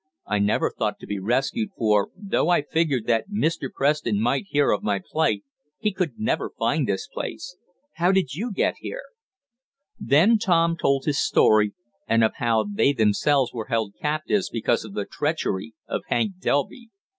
"I never thought to be rescued, for, though I figured that Mr. Preston might hear of my plight, he could never find this place. How did you get here?" Then Tom told his story, and of how they themselves were held captives because of the treachery of Hank Delby.